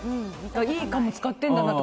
いい鴨、使ってるんだなって。